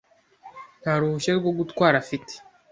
Nta ruhushya rwo gutwara afite.